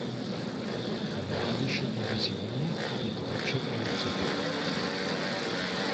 Kanadische Division die deutsche Grenze.